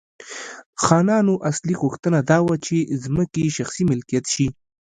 خانانو اصلي غوښتنه دا وه چې ځمکې یې شخصي ملکیت شي.